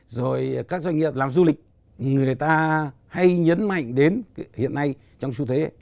rồi các doanh nghiệp làm du lịch người ta hay nhấn mạnh đến hiện nay trong xu thế